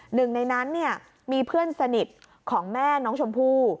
หนึ่งในนั้นมีเพื่อนสนิทของแม่น้องชมพู่